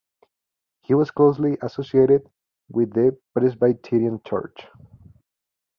He was closely associated with the Presbyterian church.